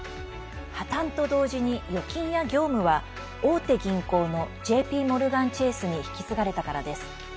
破綻と同時に預金や業務は大手銀行のＪＰモルガン・チェースに引き継がれたからです。